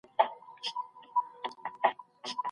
مشران به د راتلونکي نسل لپاره پلان جوړ کړي.